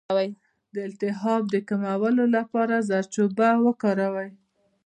د التهاب د کمولو لپاره زردچوبه وکاروئ